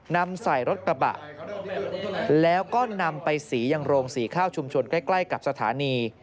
นำใส่รถกระบะแล้วก็นำไปสียังโรงสีข้าวชุมชนใกล้กับสถานี